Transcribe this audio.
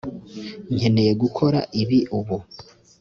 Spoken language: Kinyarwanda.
nkeneye gukora ibi ubu